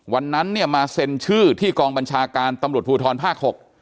วันนั้นเนี่ยมาเซ็นชื่อที่กองบัญชาการตำรวจภูทรภาค๖